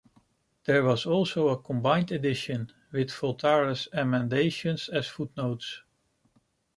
There was also a combined edition, with Voltaire's emendations as footnotes.